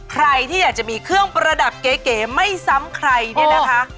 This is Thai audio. ใครที่อยากจะมีเครื่องประดับเก๋ไม่ซ้ำใครเนี่ยนะคะ